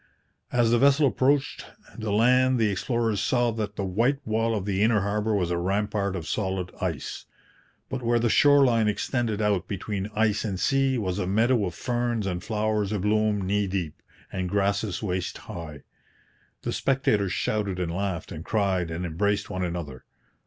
As the vessel approached the land the explorers saw that the white wall of the inner harbour was a rampart of solid ice; but where the shore line extended out between ice and sea was a meadow of ferns and flowers abloom knee deep, and grasses waist high. The spectators shouted and laughed and cried and embraced one another.